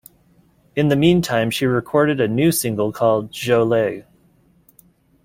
In the mean time she recorded a new single called Djolei!